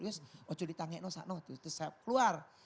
lalu saya keluar